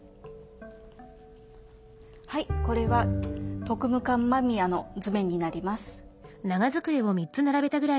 これは特務艦間宮の図面になります。